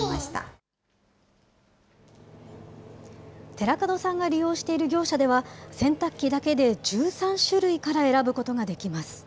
寺門さんが利用している業者では、洗濯機だけで１３種類から選ぶことができます。